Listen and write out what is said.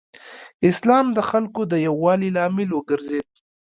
اسلام د خلکو د یووالي لامل وګرځېد.